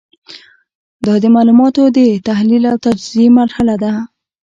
دا د معلوماتو د تحلیل او تجزیې مرحله ده.